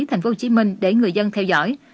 thành phố hồ chí minh để người dân theo dõi